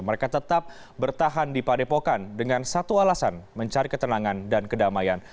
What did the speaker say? mereka tetap bertahan di padepokan dengan satu alasan mencari ketenangan dan kedamaian